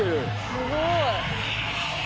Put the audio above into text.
すごい。